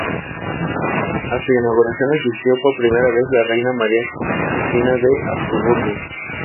A su inauguración asistió por primera vez la reina María Cristina de Habsburgo.